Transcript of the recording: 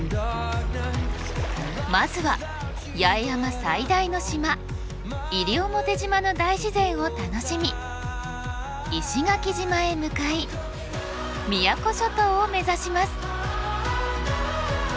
まずは八重山最大の島西表島の大自然を楽しみ石垣島へ向かい宮古諸島を目指します。